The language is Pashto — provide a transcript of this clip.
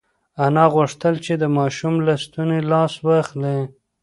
انا غوښتل چې د ماشوم له ستوني لاس واخلي.